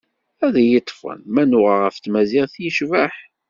Ad iyi-ṭfen ma nnuɣeɣ ɣef tmaziɣt yecbeḥ.